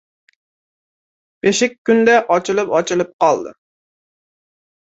Beshik kunda ochilib-ochilib qoldi.